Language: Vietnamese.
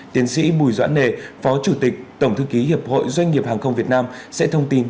tiến sĩ bùi doãn nề phó chủ tịch tổng thư ký hiệp hội doanh nghiệp hàng không việt nam sẽ thông tin